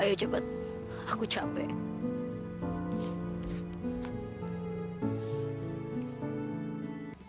ayo cepat aku capek